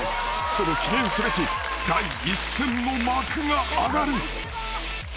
［その記念すべき第一戦の幕が上がる］